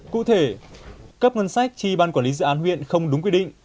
cụ thể cấp ngân sách chi ban quản lý dự án huyện không đúng quy định